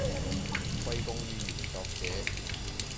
歸功於原作者